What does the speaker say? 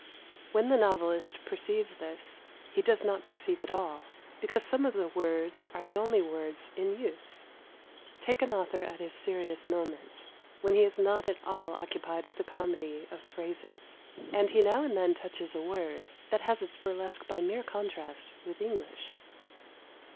When the novelist perceives this he does not perceive it all, because some of the words are the only words in use. Take an author at his serious moments, when he is not at all occupied with the comedy of phrases, and he now and then touches a word that has its burlesque by mere contrast with English.